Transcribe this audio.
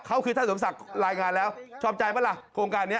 เขาคือท่านสมศักดิ์รายงานแล้วชอบใจปะล่ะโครงการนี้